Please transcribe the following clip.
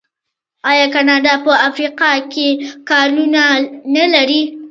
آیا کاناډا په افریقا کې کانونه نلري؟